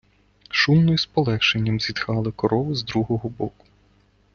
Шумно й з полегшенням зітхали корови з другого боку.